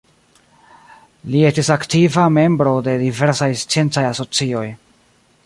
Li estis aktiva membro de diversaj sciencaj asocioj.